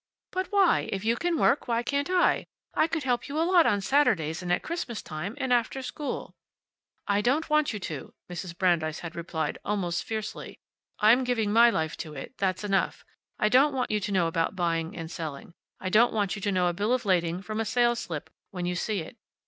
"But why? If you can work, why can't I? I could help you a lot on Saturdays and at Christmas time, and after school." "I don't want you to," Mrs. Brandeis had replied, almost fiercely. "I'm giving my life to it. That's enough. I don't want you to know about buying and selling. I don't want you to know a bill of lading from a sales slip when you see it.